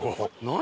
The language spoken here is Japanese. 何？